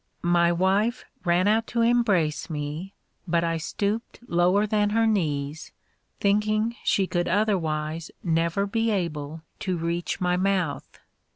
My wife ran out to embrace me, but I stooped lower than her knees, thinking she could otherwise never be able to reach my mouth.